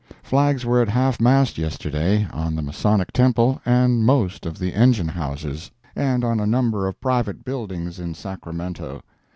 ] Flags were at half mast yesterday, on the Masonic Temple and most of the engine houses, and on a number of private buildings in Sacramento.